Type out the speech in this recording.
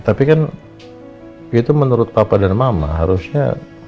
tapi kan itu menurut papa dan mama harusnya